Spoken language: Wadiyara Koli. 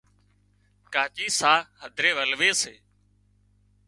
ڪاچي ساهََه هڌرِي ولوي سي